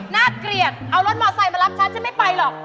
น่าเกลียดเอารถมอเตอร์ไซค์มารับฉันจะไม่ไปหรอก